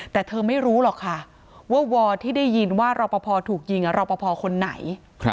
แต่เธอไม่รู้หรอกค่ะว่าวอที่ได้ยินว่ารอปภถูกยิงรอปภคนไหน